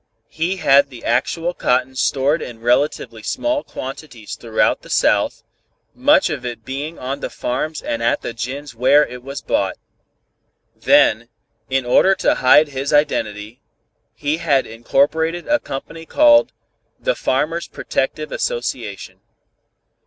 He had the actual cotton stored in relatively small quantities throughout the South, much of it being on the farms and at the gins where it was bought. Then, in order to hide his identity, he had incorporated a company called "The Farmers' Protective Association."